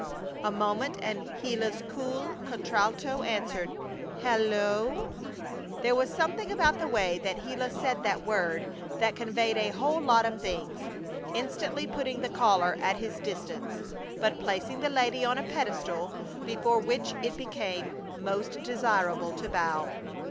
A moment, and Gila's cool contralto answered: "Hel lo oo!" There was something about the way that Gila said that word that conveyed a whole lot of things, instantly putting the caller at his distance, but placing the lady on a pedestal before which it became most desirable to bow.